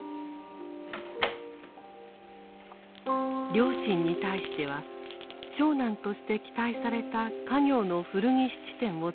両親に対しては長男として期待された家業の古着質店を継ぐことを拒み